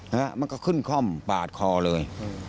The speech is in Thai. ฮะมันก็ขึ้นค่ำปาดคอเลย